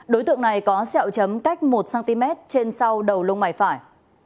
đối tượng này có sẹo chấm cách một cm trên sau đầu lông mày phải